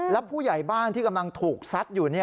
แล้วผู้ใหญ่บ้านที่กำลังถูกซัดอยู่